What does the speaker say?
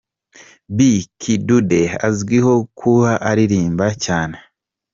Bi Kidude azwiho kuba aririmba cyane.